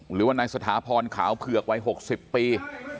หรือว่านายสถาพรขาวเผือกวัย๖๐ปี